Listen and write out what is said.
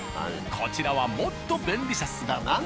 こちらはもっと便利シャス。